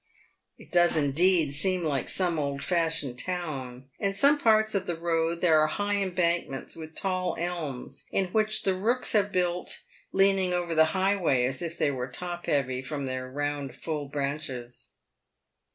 It does indeed seem like some old fashioned town. In some parts of the road there are high embankments, with tall elms, in which the rooks have built, leaning over the highway as if they were top heavy from their round, full branches.